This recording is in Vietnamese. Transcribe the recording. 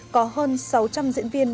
có hơn sáu trăm linh diễn viên đoàn nghệ thuật